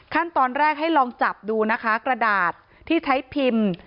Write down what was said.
ขั้นตอนแรกให้ลองจับดูนะคะกระดาษที่ใช้พิมพ์